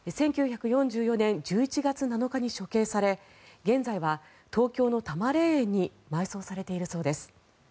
１９４４年１１月７日に処刑され現在は東京の多磨霊園に埋葬されているそうです。